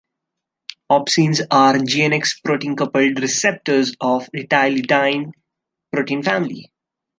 Opsins are Gn-x protein-coupled receptors of the retinylidene protein family.